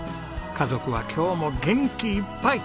家族は今日も元気いっぱい！